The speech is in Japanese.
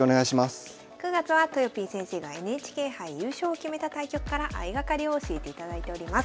９月はとよぴー先生がＮＨＫ杯優勝を決めた対局から相掛かりを教えていただいております。